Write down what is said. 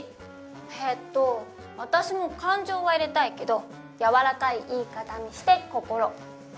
えっと私も「感情」は入れたいけど軟らかい言い方にして「こころ」。